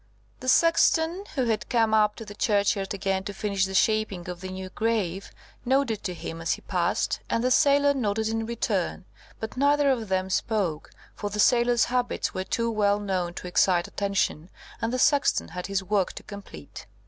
The sexton, who had come up to the churchyard again to finish the shaping of the new grave, nodded to him as he passed, and the sailor nodded in return; but neither of them spoke, for the sailor's habits were too well known to excite attention, and the sexton had his work to complete.